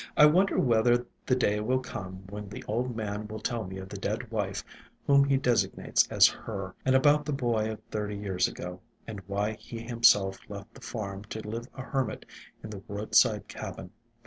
I wonder whether the day will come when the old man will tell me of the dead wife whom he designates as "her," and about the boy of thirty years ago, and why he himself left the farm to live a hermit in the roadside cabin.